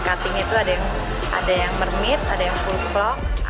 pake cutting itu ada yang mermit ada yang full block